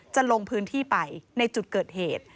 จะลงพื้นที่ไปในจุดเกิดเหตุ